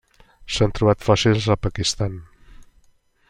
Se n'han trobat fòssils al Pakistan.